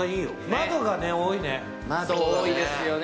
窓、多いですよね。